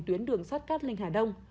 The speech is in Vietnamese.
tuyến đường sắt cát lên hà đông